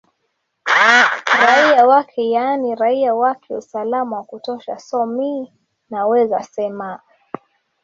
raia wake yaani raia wake usalama wa kutosha so mi naweza semaa